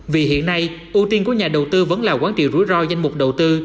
vì hiện nay ưu tiên của nhà đầu tư vẫn là quán triệu rủi ro danh mục đầu tư